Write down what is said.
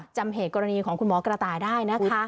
จำเหตุกรณีของคุณหมอกระต่ายได้นะคะ